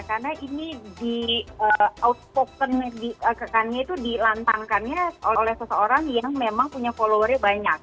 karena ini di outspoken kekannya itu dilantangkannya oleh seseorang yang memang punya followernya banyak